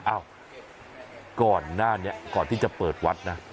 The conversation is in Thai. อ้าวก่อนหน้านี้ก่อนที่จะเปิดวัดนะ